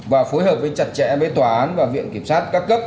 và phối hợp với chặt chẽ với tòa án và viện kiểm sát các cấp